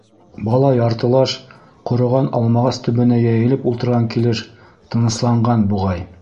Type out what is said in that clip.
Бала яртылаш ҡороған алмағас төбөнә йәйелеп ултырған килеш тынысланған, буғай.